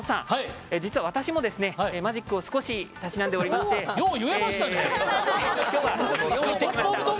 実は私も、マジックを少したしなんでおりましてきょう用意してきました。